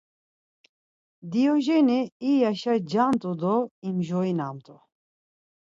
Diojeni iyya şa cant̆u do imjorinamt̆u.